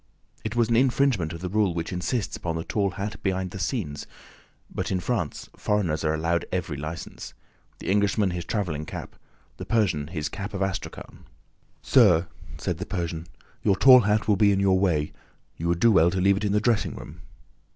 It was an infringement of the rule which insists upon the tall hat behind the scenes; but in France foreigners are allowed every license: the Englishman his traveling cap, the Persian his cap of astrakhan. "Sir," said the Persian, "your tall hat will be in your way: you would do well to leave it in the dressing room."